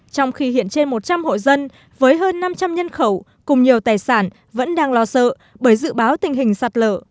trong khi hiện trên một trăm linh hộ dân với hơn năm trăm linh nhân khẩu cùng nhiều tài sản vẫn đang lo sợ bởi dự báo tình hình sạt lở